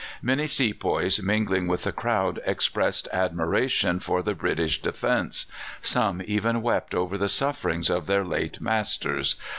Many sepoys mingling with the crowd expressed admiration for the British defence; some even wept over the sufferings of their late masters.